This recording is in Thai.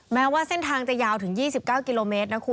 แม้ว่าเส้นทางจะยาวถึง๒๙กิโลเมตรนะคุณ